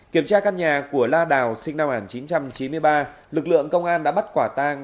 kiểm tra căn nhà của la đào sinh năm một nghìn chín trăm chín mươi ba lực lượng công an đã bắt quả tang